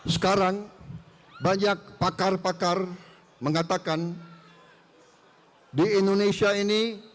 sekarang banyak pakar pakar mengatakan di indonesia ini